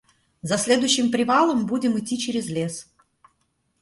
За следующим привалом будем идти через лес.